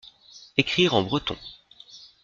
Écrire en breton.